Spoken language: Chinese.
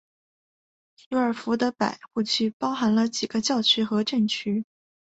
索尔福德百户区包含了几个教区和镇区。